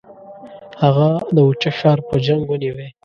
هغه د اوچه ښار په جنګ ونیوی.